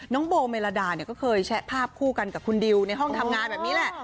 น้องโบเมลาดาเนี่ยก็เคยแชะภาพคู่กันกับคุณดิวในห้องทำงานแบบนี้แหละ